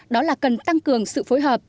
đó là cần tăng cường sự phối hợp